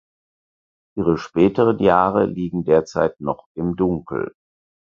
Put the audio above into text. Ihre späteren Jahre liegen derzeit noch im Dunkel.